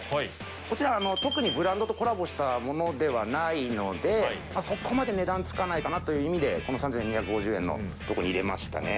こちら、特にブランドとコラボしたものではないので、そこまで値段つかないかなという意味で、この３２５０円のところに入れましたね。